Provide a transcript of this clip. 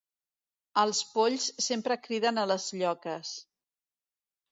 Els polls sempre criden a les lloques.